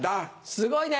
すごいね。